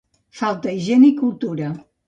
Falta higiene i cultura.